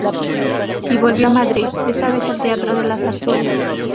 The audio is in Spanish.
Y volvió a Madrid, esta vez al teatro de la Zarzuela.